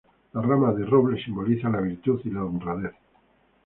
La rama de roble simboliza la virtud y la honradez.